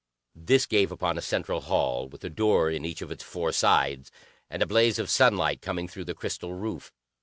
This gave upon a central hall, with a door in each of its four sides, and a blaze of sunlight coming through the crystal roof.